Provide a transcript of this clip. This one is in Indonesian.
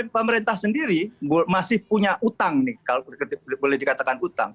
pemerintah sendiri masih punya utang nih kalau boleh dikatakan utang